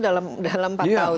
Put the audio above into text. dalam empat tahun